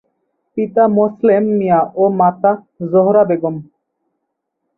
পিতা মোসলেম মিয়া ও মাতা জোহরা বেগম।